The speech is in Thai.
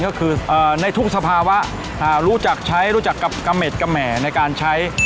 ก็คือในทุกสภาวะรู้จักใช้รู้จักกับกะเม็ดกะแหมในการใช้